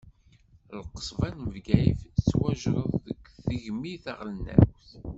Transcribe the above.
Lqesba n Bgayet tettwajerred deg tegmi taɣelnawt.